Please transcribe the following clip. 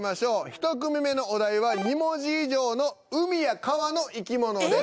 １組目のお題は２文字以上の海や川の生き物です。